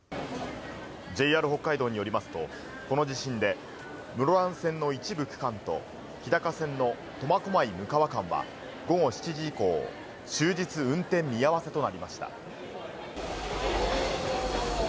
ＪＲ北海道によりますと、この地震で室蘭線の一部区間と日高線の苫小牧・鵡川間は、午後７時以降、終日運転見合わせとなりました。